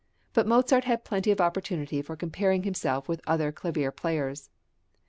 But Mozart had plenty of opportunity for comparing himself with other clavier players.